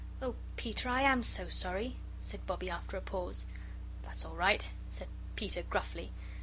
"Oh, Peter, I AM so sorry," said Bobbie, after a pause. "That's all right," said Peter, gruffly.